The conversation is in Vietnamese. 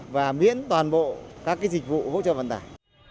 và miễn toàn bộ các dịch vụ hỗ trợ vận tải